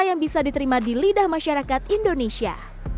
yang bisa diterima di lidah masyarakat indonesia